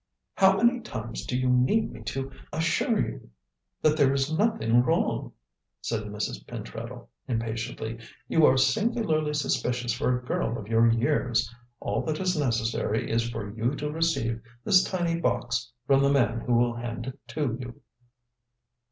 "How many times do you need me to assure you that there is nothing wrong," said Mrs. Pentreddle, impatiently; "you are singularly suspicious for a girl of your years. All that is necessary is for you to receive this tiny box from the man who will hand it to you."